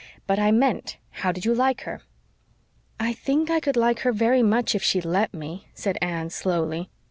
But I meant how did you like her?" "I think I could like her very much if she'd let me," said Anne slowly.